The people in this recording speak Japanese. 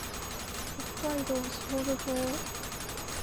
北海道士幌町